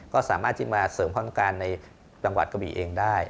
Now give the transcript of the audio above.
ก็สามารถจิ้นมาเสริมพันธ์การในจังหวัดกระบี่เองได้